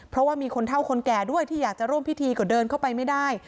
เพราะว่ามีคนเท่าคนแก่ด้วยที่อยากจะร่วมพิธีก็เดินเข้าไปไม่ได้